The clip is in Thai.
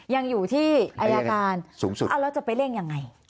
ยังอยู่ที่อายการสูงสุดแล้วจะไปเร่งยังไง